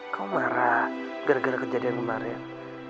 kau marah gara gara kejadian kemarin